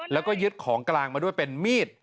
แล้วก็ยึดของกลางมาด้วยเป็นมีด